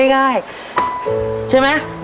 ง่ายใช่ไหม